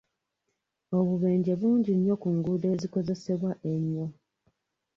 Obubenje bungi nnyo ku nguudo ezikozesebwa ennyo .